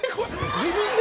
自分で？